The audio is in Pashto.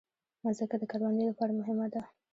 مځکه د کروندې لپاره مهمه ده.